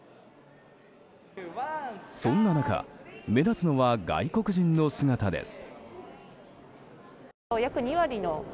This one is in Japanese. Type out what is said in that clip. そんな中目立つのは外国人の姿です。